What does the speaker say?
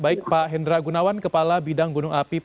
baik pak hendra gunawan kepala bidang gunung api